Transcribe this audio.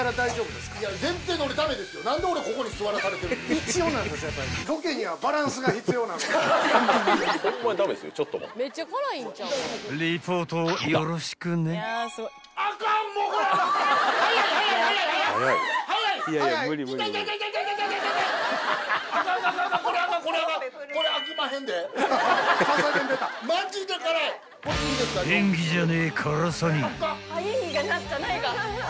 ［演技じゃねえ辛さに］